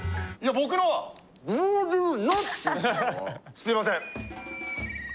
すいません。